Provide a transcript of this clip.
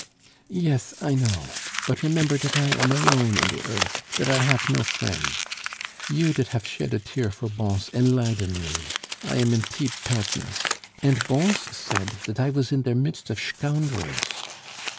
"Yes, I know... but remember dat I am alone in die earth, dat I haf no friend. You dat haf shed a tear for Bons enliden me; I am in teep tarkness, und Bons said dat I vas in der midst of shcoundrels."